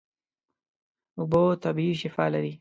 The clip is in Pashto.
اوبه طبیعي شفاء لري.